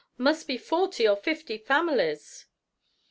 Must be forty or fifty families."